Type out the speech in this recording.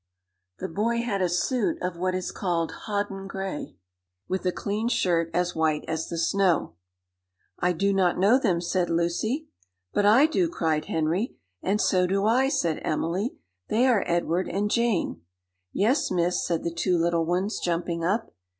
The boy had a suit of what is called hodden gray, with a clean shirt as white as the snow. "I do not know them," said Lucy. "But I do," cried Henry. "And so do I," said Emily; "they are Edward and Jane." "Yes, Miss," said the two little ones, jumping up.